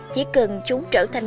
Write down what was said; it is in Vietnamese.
chỉ cần chúng trở thành